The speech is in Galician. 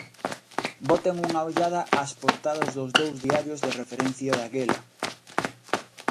Boten unha ollada ás portadas dos dous diarios de referencia daquela.